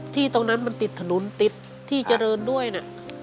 ตรงนั้นมันติดถนนติดที่เจริญด้วยนะ